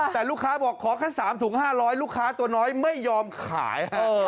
แต่ลูกค้าบอกขอแค่๓ถุง๕๐๐ลูกค้าตัวน้อยไม่ยอมขาย